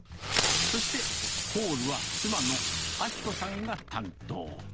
そしてホールは妻の顕子さんが担当。